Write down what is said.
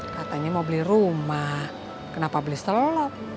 katanya mau beli rumah kenapa beli telur